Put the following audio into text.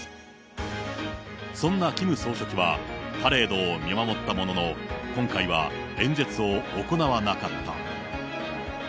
そんなキム総書記は、パレードを見守ったものの、今回は演説を行わなかった。